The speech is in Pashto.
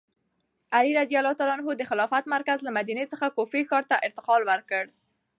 علي رض د خلافت مرکز له مدینې څخه کوفې ښار ته انتقال کړ.